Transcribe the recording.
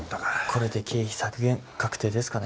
これで経費削減確定ですかね。